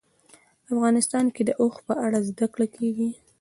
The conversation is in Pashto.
افغانستان کې د اوښ په اړه زده کړه کېږي.